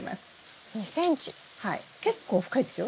はい結構深いですよ。